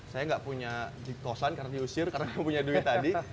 saya gak punya dikosan karena diusir karena gak punya duit tadi